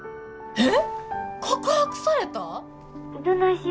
えっ！